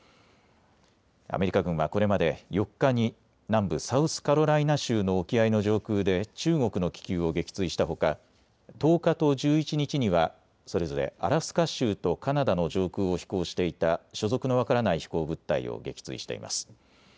アメリカ軍はこれまで４日に南部サウスカロライナ州の沖合の上空で中国の気球を撃墜したほか１０日と１１日にはそれぞれアラスカ州とカナダの上空を飛行していた所属の分からない飛行物体を撃墜しています。